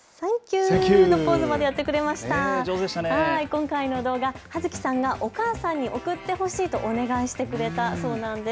今回の動画、葉月さんがお母さんに送ってほしいとお願いしてくれたそうなんです。